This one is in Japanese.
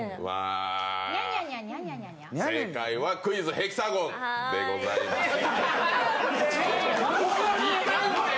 正解は、「クイズ！ヘキサゴン」でございました。